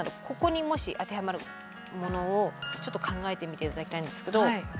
ここにもし当てはまるものをちょっと考えてみて頂きたいんですけど。